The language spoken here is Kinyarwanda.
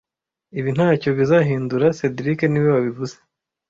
Ibi ntacyo bizahindura cedric niwe wabivuze